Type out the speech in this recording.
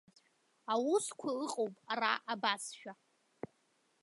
Аусқәа ыҟоуп ара абасшәа.